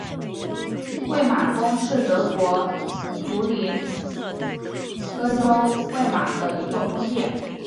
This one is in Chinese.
魏玛宫是德国图林根州魏玛的一座宫殿。